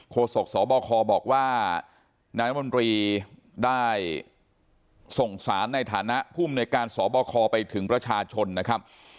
โศกสบคบอกว่านายมนตรีได้ส่งสารในฐานะภูมิในการสบคไปถึงประชาชนนะครับ